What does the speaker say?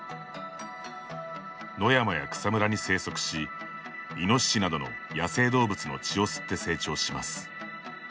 野山や草むらに生息しイノシシなどの野生動物の血を吸って成長します。